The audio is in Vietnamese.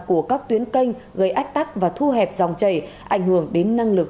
của các tuyến canh gây ách tắc và thu hẹp dòng chảy ảnh hưởng đến năng lực